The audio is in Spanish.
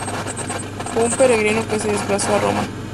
Fue un peregrino que se desplazó a Roma.